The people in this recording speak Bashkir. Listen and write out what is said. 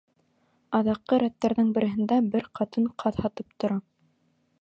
Аҙаҡҡы рәттәрҙең береһендә бер ҡатын ҡаҙ һатып тора.